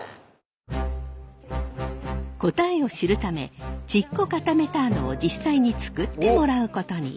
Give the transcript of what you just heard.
答えを知るためチッコカタメターノを実際に作ってもらうことに。